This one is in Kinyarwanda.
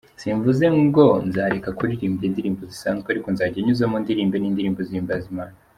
Simvuze ngo nzareka kuririmba indirimbo zisanzwe ariko nzajya nyuzamo ndirimbe n’indirimbo zihimbaza Imana.